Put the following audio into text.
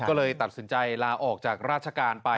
ก็เลยตัดสินใจลาออกจากราชการไป